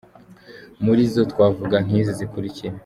Muri zo twavuga nk’izi zikurikira :.